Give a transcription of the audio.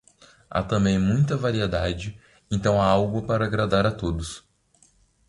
Há também muita variedade, então há algo para agradar a todos.